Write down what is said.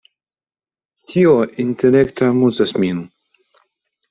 Tio intelekte amuzas min!